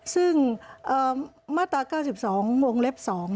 ซึ่งมาตรา๙๒วงเล็บ๒